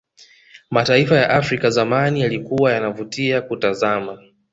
mataifa ya afrika zamani yalikuwa yanavutia kutazama